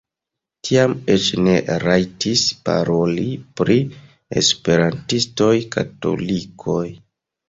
Tiam eĉ ne rajtis paroli pri esperantistoj-katolikoj.